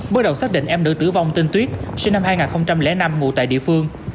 bước đầu xác định em nữ tử vong tên tuyết sinh năm hai nghìn năm ngụ tại địa phương